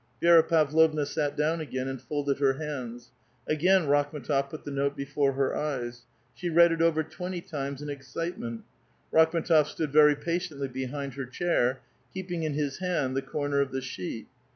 Vi^ra Pavlovna sat down again and folded her hands. Again Rakhm^tof put the note before her eyes. She read it over twenty times in excitement. Rakhm^tof stood very patiently behind her chair, keeping in his hand the corner of the sheet.